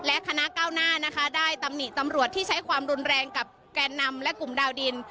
และคณะก้าวหน้านะคะได้ตำหนิตำรวจที่ใช้ความรุนแรงกับแกนนำและกลุ่มดาวดิน